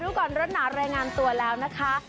สวัสดีค่ะทุกคนรถหนาวแรงงานตัวแล้วนะคะ